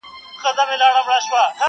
يوه بهرنۍ ښځه عکس اخلي او يادښتونه ليکي,